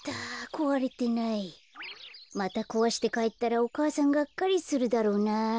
こころのこえまたこわしてかえったらお母さんがっかりするだろうな。